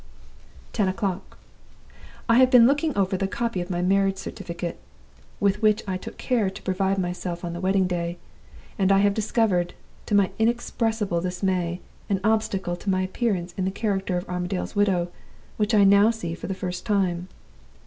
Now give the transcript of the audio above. "Ten o'clock. I have been looking over the copy of my marriage certificate, with which I took care to provide myself on the wedding day; and I have discovered, to my inexpressible dismay, an obstacle to my appearance in the character of Armadale's widow which I now see for the first time.